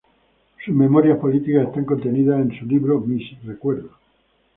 Sus memorias políticas están contenidas en su libro "Mis Recuerdos".